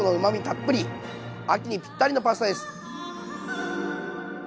たっぷり秋にぴったりのパスタです。